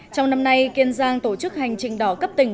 trong năm nay kiên giang tổ chức hành trình đỏ cấp tỉnh